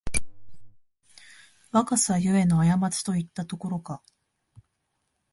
若さゆえのあやまちといったところか